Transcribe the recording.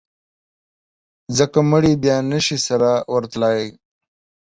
ځکه مړي بیا نه شي سره ورتلای.